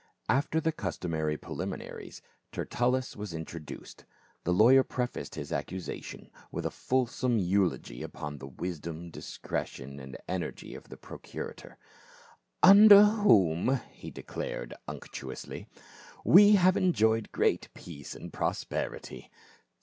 After the customary preliminaries, Tertullus was introduced. The lawyer prefaced his accusation with a fulsome eulogy upon the wisdom, discretion, and energy of the procurator. "Under whom," he de clared unctuously " we have enjoyed great peace and prosperity.